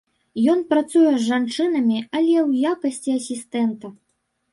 Ён працуе з жанчынамі, але ў якасці асістэнта.